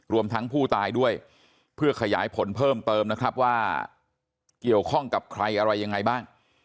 รวมทั้งผู้ตายด้วยเพื่อขยายผลเพิ่มเติมนะครับว่าเกี่ยวข้องกับใครอะไรยังไงบ้าง